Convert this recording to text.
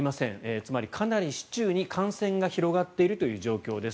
つまりかなり市中に感染が広がっている状況です。